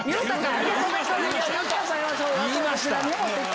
言いました。